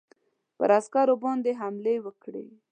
پر عسکرو باندي حملې وکړې.